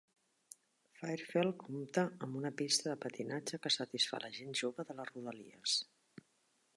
Fairfield compta amb una pista de patinatge que satisfà la gent jove de les rodalies.